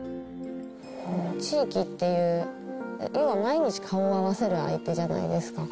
地域っていう、要は毎日顔を合わせる相手じゃないですか。